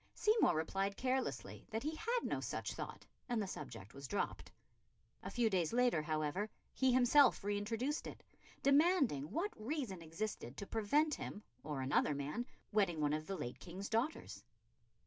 Seymour replied carelessly that he had no such thought, and the subject dropped. A few days later, however, he himself re introduced it, demanding what reason existed to prevent him, or another man, wedding one of the late King's daughters?